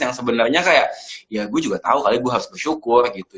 yang sebenarnya kayak ya gue juga tau kali gue harus bersyukur gitu